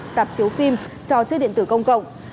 giạp chiếu phim cho chơi điện tử công cộng